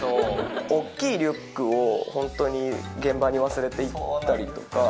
大きいリュックを、本当に現場に忘れていったりとか。